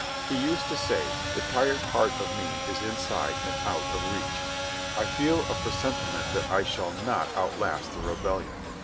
He used to say, "The tired part of me is inside and out of reach.... I feel a presentiment that I shall not outlast the rebellion.